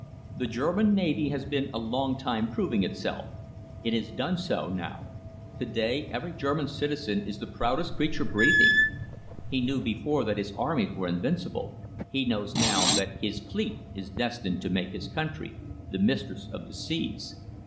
"The German Navy has been a long time proving itself. It has done so now. To day every German citizen is the proudest creature breathing. He knew before that his armies were invincible. He knows now that his fleet is destined to make his country the mistress of the seas.